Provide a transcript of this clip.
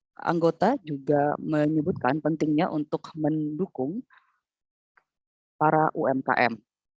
nah anggota juga menyebutkan pentingnya untuk mendukung para umkm